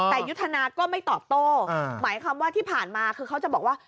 แต่ยุทธนาก็ไม่ตอบโต้หมายความว่าที่ผ่านมาคือเขาจะบอกว่า